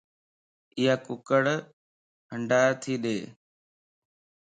ايا ڪڪڙ ھنڊا تي ڏي